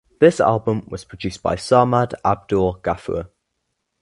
This album was produced by Sarmad Abdul Ghafoor.